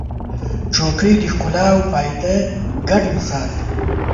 چوکۍ د ښکلا او فایده ګډ مثال دی.